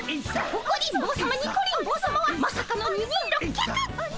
オコリン坊さまニコリン坊さまはまさかの二人六脚！